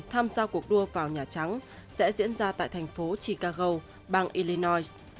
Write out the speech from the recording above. tham gia cuộc đua vào nhà trắng sẽ diễn ra tại thành phố chicago bang illinois